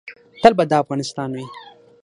تل به دا افغانستان وي